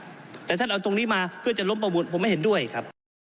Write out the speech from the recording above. แต่ท่านเอาตรงนี้มาเพื่อจะล้มประมูลผมไม่เห็นด้วยครับ